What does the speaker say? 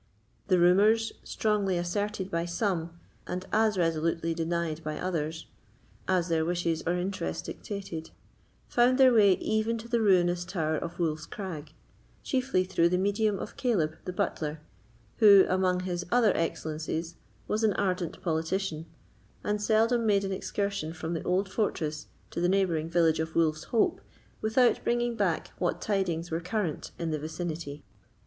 The rumours, strongly asserted by some, and as resolutely denied by others, as their wishes or interest dictated, found their way even to the ruinous Tower of Wolf's Crag, chiefly through the medium of Caleb, the butler, who, among his other excellences, was an ardent politician, and seldom made an excursion from the old fortress to the neighbouring village of Wolf's Hope without bringing back what tidings were current in the vicinity.